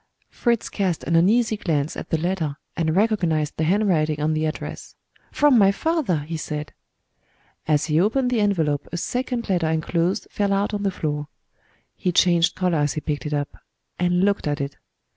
Fritz cast an uneasy glance at the letter, and recognized the handwriting on the address. "From my father!" he said. As he opened the envelope a second letter enclosed fell out on the floor. He changed color as he picked it up, and looked at it.